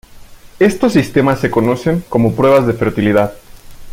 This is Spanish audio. Estos sistemas se conocen como pruebas de fertilidad.